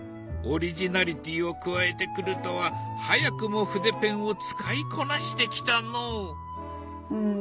オリジナリティーを加えてくるとは早くも筆ペンを使いこなしてきたのう。